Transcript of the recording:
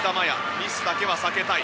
ミスだけは避けたい。